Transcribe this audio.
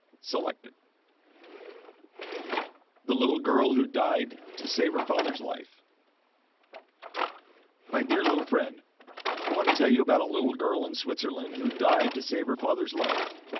Selected THE LITTLE GIRL WHO DIED TO SAVE HER FATHER'S LIFE My dear little friend: I want to tell you about a little girl in Switzerland who died to save her father's life.